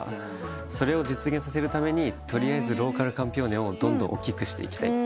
それを実現させるために取りあえずローカルカンピオーネをどんどん大きくしていきたい。